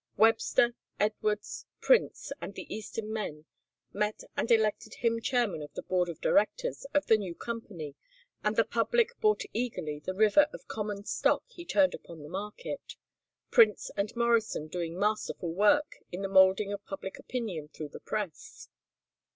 Webster, Edwards, Prince, and the eastern men met and elected him chairman of the board of directors of the new company and the public bought eagerly the river of common stock he turned upon the market, Prince and Morrison doing masterful work in the moulding of public opinion through the press.